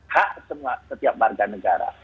hak setiap warga negara